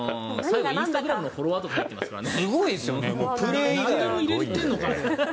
インスタグラムのフォロワーとかも入っていますからね。